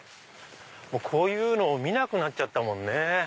こういうのを見なくなっちゃったもんね。